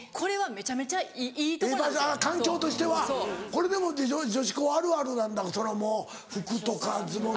これでも女子校あるあるなんだそのもう拭くとかズボンで。